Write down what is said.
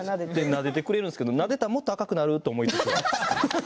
なでてくれるんですけどなでたら、もっと赤くなると思いつつ。